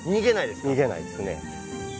逃げないですね。